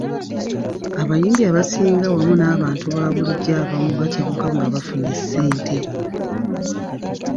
Abayimbi abasinga wamu n’abantu ba bulijjo abamu bakyamuka nga bafunye ssente.